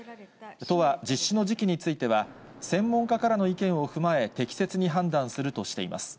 都は実施の時期については、専門家からの意見を踏まえ、適切に判断するとしています。